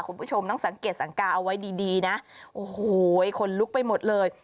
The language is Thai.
คุณผู้ชมต้องสังเกตสังกาเอาไว้ดีดีนะโอ้โหคนลุกไปหมดเลย